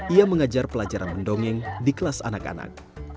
ia mengajar pelajaran mendongeng di kelas anak anak